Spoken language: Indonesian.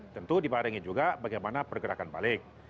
tentu dibarengi juga bagaimana pergerakan balik